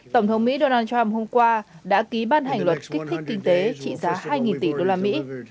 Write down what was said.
tổng thống mỹ donald trump hôm qua đã ký ban hành luật kích thích kinh tế trị giá hai tỷ đô la mỹ